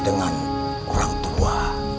dengan orang tua